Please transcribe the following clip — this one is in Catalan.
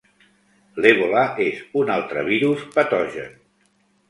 L'Ebola és un altre virus patogen.